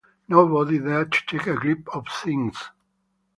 Nobody there to take a grip of things.